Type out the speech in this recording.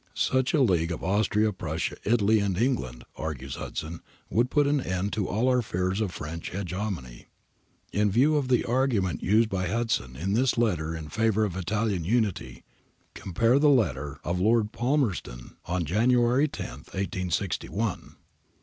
Such a league of Austria, Prussia, Italy, and England, argues Hudson, would put an end to all our fears of PVench hegemony. [In view of the arguments used by Hudson in this letter in favour of Italian Unity, compare the letter of Lord Palmerston on January lo, 1861 {Queens Letters, vol. iii.).